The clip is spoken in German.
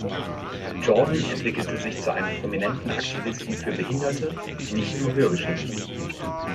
Jordan entwickelte sich zu einem prominenten Aktivisten für Behinderte, nicht nur Hörgeschädigte.